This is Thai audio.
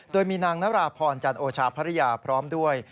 โดยมีนางนราพรจันโอชาภรรยาพร้อมด้วย